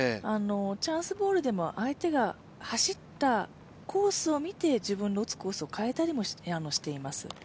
チャンスボールでも相手が走ったコースを見て、自分の打つコースを変えたりもしています。